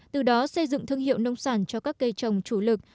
từ đó xây dựng thương hiệu nông sản cho các cây trồng chủ lực